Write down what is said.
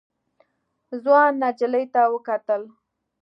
ځوان نجلۍ ته وکتل.